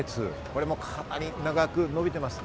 これもかなり長く伸びています。